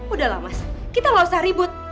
udah lah mas kita gak usah ribut